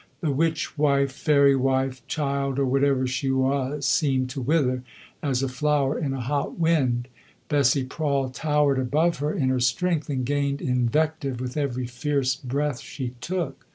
The witch wife, fairy wife, child or whatever she was seemed to wither as a flower in a hot wind. Bessie Prawle towered above her in her strength, and gained invective with every fierce breath she took.